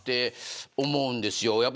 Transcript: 思うんですよ。